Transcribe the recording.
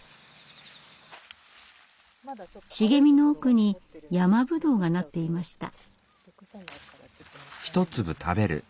茂みの奥にヤマブドウがなっていました。